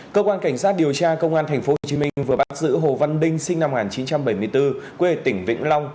cơ quan cảnh sát điều tra công an tp hcm vừa bắt giữ hồ văn đinh sinh năm một nghìn chín trăm bảy mươi bốn quê tỉnh vĩnh long